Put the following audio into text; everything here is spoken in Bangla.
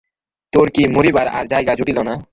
তোর কি মরিবার আর জায়গা জুটিল না?